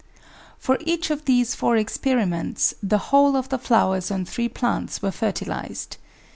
For each of these four experiments the whole of the flowers on three plants were fertilised.